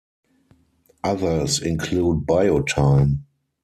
Others include BioTime.